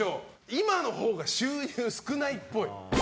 今のほうが収入少ないっぽい。